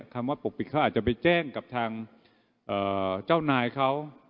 คำว่าปกปิดเขาอาจจะไปแจ้งกับทางเจ้านายเขา